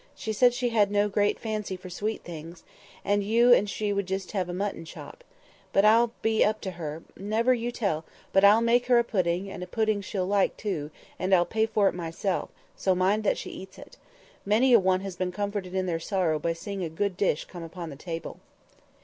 She said she had no great fancy for sweet things, and you and she would just have a mutton chop. But I'll be up to her. Never you tell, but I'll make her a pudding, and a pudding she'll like, too, and I'll pay for it myself; so mind you see she eats it. Many a one has been comforted in their sorrow by seeing a good dish come upon the table."